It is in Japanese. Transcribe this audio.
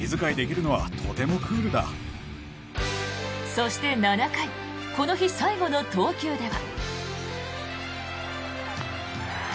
そして、７回この日最後の投球では。